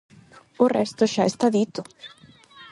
O resto xa está dito.